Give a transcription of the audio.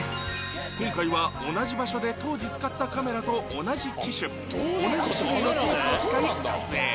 今回は同じ場所で当時使ったカメラと同じ機種同じ種類のテープを使い撮影